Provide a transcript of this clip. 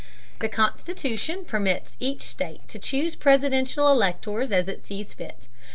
The Constitution permits each state to choose presidential electors as it sees fit.